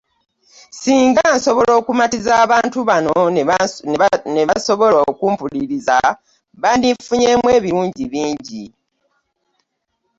Singa nsobola okumatiza abantu bano nebasobola okumpuliriza bandinfunyeemu ebirungi bingi.